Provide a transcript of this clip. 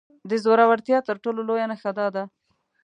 د زورورتيا تر ټولو لويه نښه دا ده.